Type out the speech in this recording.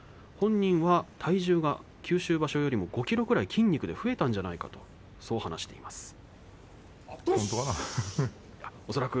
本人は九州場所よりも５ｋｇぐらい筋肉で増えたのではないかということを話しています。